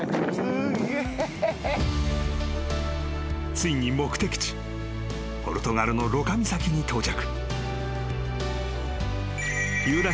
［ついに目的地ポルトガルのロカ岬に到着］